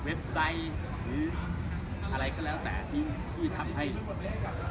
เว็บไซต์หรืออะไรก็แล้วแต่ที่ท่อมให้บังกัน